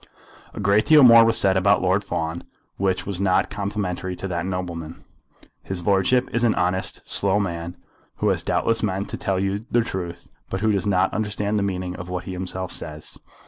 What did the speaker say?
A great deal more was said about Lord Fawn, which was not complimentary to that nobleman. "His lordship is an honest, slow man, who has doubtless meant to tell you the truth, but who does not understand the meaning of what he himself says.